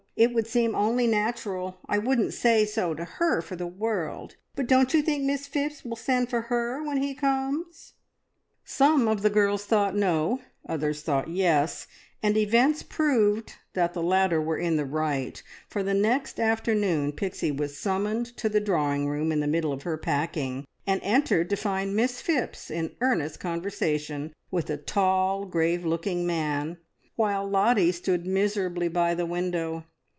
It would seem only natural. I wouldn't say so to her for the world, but don't you think Miss Phipps will send for her when he comes?" Some of the girls thought no, others thought yes, and events proved that the latter were in the right; for the next afternoon Pixie was summoned to the drawing room in the middle of her packing, and entered to find Miss Phipps in earnest conversation with a tall, grave looking man, while Lottie stood miserably by the window.